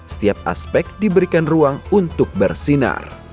setiap aspek diberikan ruang untuk bersinar